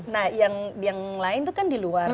nah yang lain itu kan di luar